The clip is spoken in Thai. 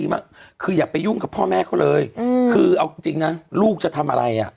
พ่อแม่เขาก็ยังขายผักของเขาอยู่อย่างนั้นนะ